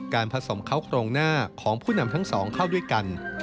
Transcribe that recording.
ผสมเขาโครงหน้าของผู้นำทั้งสองเข้าด้วยกัน